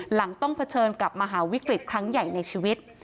หลังต้องเผชิญกับมหาวิกฤตครั้งใหญ่ในชีวิต